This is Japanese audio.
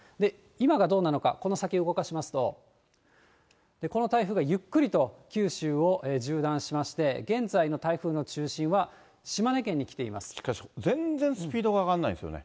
今がどうなのか、この先、動かしますと、この台風がゆっくりと九州を縦断しまして、現在の台風の中心は、しかし、全然スピードが上がんないですよね。